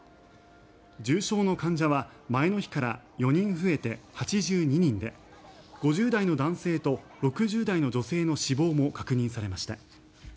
重症の患者は前の日から４人増えて８２人で５０代の男性と６０代の女性の死亡も確認されました。